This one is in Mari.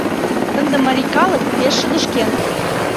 Ынде марий калык пеш шыдешкен.